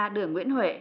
đường nguyễn huệ